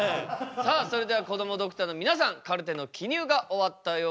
さあそれではこどもドクターの皆さんカルテの記入が終わったようです。